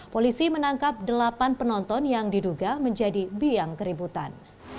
polisi menangkap delapan penonton yang diduga menjadi biang keributan